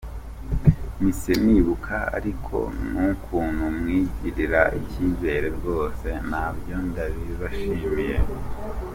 Mpise nibuka ariko n’ukuntu mwigirira icyizere, rwose nabyo ndabibashimiye.